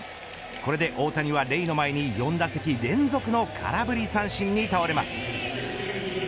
これで大谷はレイの前に４打席連続の空振り三振に倒れます。